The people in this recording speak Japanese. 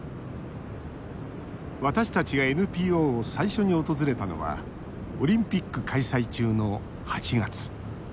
私たちがＮＰＯを最初に訪れたのはオリンピック開催中の８月。